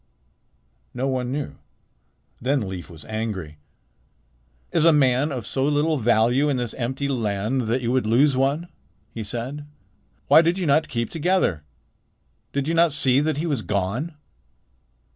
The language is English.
No one knew. Then Leif was angry. "Is a man of so little value in this empty land that you would lose one?" he said. "Why did you not keep together? Did you not see that he was gone?